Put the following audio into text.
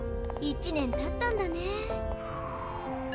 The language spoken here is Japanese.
１年たったんだね。